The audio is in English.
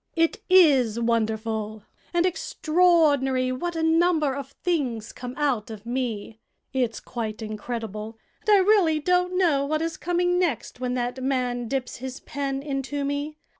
It is wonderful and extraordinary what a number of things come out of me. It's quite incredible, and I really don't know what is coming next when that man dips his pen into me.